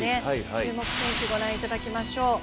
注目選手、ご覧いただきましょう。